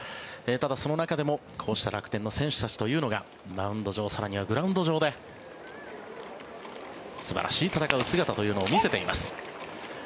ただ、その中でもこうした楽天の選手たちというのがマウンド上更にはグラウンド上で素晴らしい戦い、姿というのを見せています。